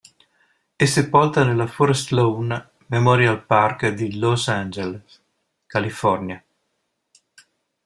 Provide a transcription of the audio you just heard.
È sepolta nel Forest Lawn Memorial Park di Los Angeles, California.